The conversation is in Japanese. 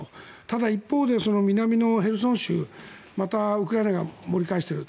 ただ一方で南のヘルソン州また、ウクライナが盛り返している。